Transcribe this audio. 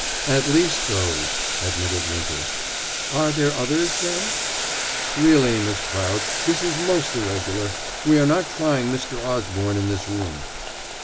"At least those," admitted Winter. "Are there others, then?" "Really, Miss Prout, this is most irregular. We are not trying Mr. Osborne in this room."